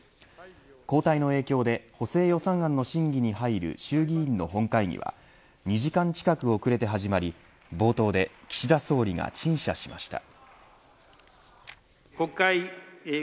交代の影響で補正予算案の審議に入る衆議院の本会議は２時間近く遅れて始まり冒頭で岸田総理が陳謝しました。